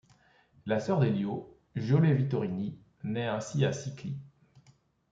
La sœur d'Elio, Jole Vittorini, naît ainsi à Scicli.